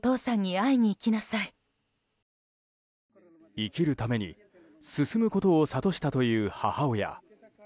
生きるために進むことを諭したという母親。